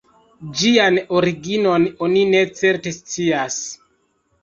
Ĝian originon oni ne certe scias.